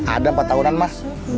ada empat tahunan mas